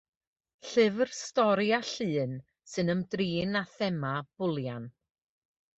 Llyfr stori a llun sy'n ymdrin â thema bwlian.